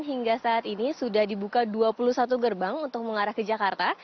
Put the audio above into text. hingga saat ini sudah dibuka dua puluh satu gerbang untuk mengarah ke jakarta